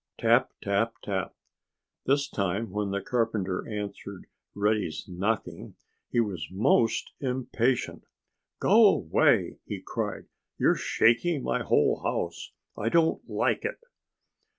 Tap, tap, tap! This time, when the carpenter answered Reddy's knocking, he was most impatient. "Go away!" he cried. "You're shaking my whole house. I don't like it."